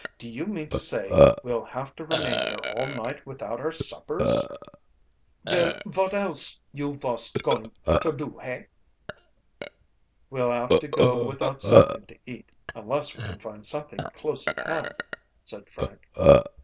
"Do you mean to say we'll have to remain here all night without our suppers!" "Vell, vot else you vos going ter do, hey?" "We'll have to go without something to eat, unless we can find something close at hand," said Frank.